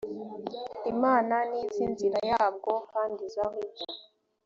imana ni yo izi inzira yabwo kandi izi aho ijya